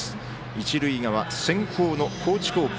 一塁側、先攻の高知高校。